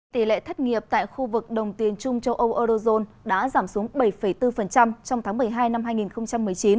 tỷ lệ thất nghiệp tại khu vực đồng tiền trung châu âu eurozone đã giảm xuống bảy bốn trong tháng một mươi hai năm hai nghìn một mươi chín